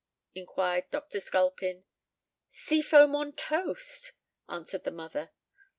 inquired Dr. Sculpin. "Sea foam on toast," answered the mother.